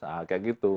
nah kayak gitu